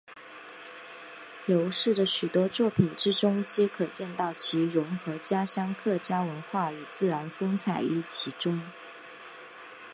刘氏的许多作品之中皆可见到其融合家乡客家文化与自然风采于其中。